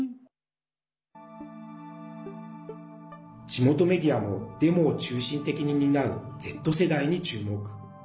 地元メディアもデモを中心的に担うＺ世代に注目。